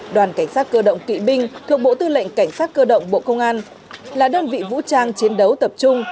đoàn cảnh sát cơ động kỵ binh thuộc bộ tư lệnh cảnh sát cơ động bộ công an là đơn vị vũ trang chiến đấu tập trung